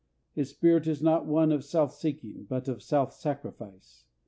His spirit is not one of self seeking, but of self sacrifice.